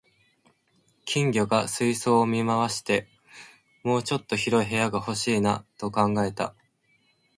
金魚が水槽を見回して、「もうちょっと広い部屋が欲しいな」と考えた